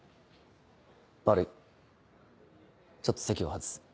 悪いちょっと席を外す。